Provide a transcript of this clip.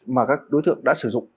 m trainers hợp tác làm ăn